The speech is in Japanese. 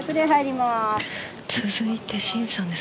続いて、申さんです。